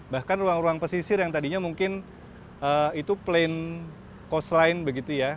bahkan ruang ruang pesisir yang tadinya mungkin itu plain cost line begitu ya